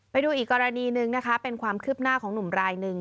ไปดูอีกกรณีหนึ่งนะคะเป็นความคืบหน้าของหนุ่มรายหนึ่ง